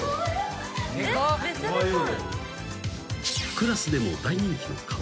［クラスでも大人気の川合］